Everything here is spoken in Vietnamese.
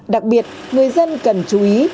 đặc biệt người dân cần chú ý